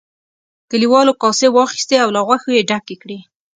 کليوالو کاسې واخیستې او له غوښو یې ډکې کړې.